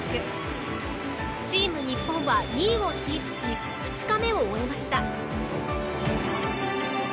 チーム日本は２位をキープし２日目を終えました。